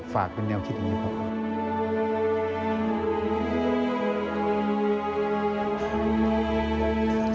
ฝากเป็นแนวคิดนี้ครับ